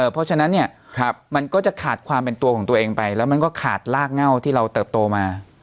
เพราะฉะนั้นเนี่ยมันก็จะขาดความเป็นตัวของตัวเองไปแล้วมันก็ขาดรากเง่าที่เราเติบโตมา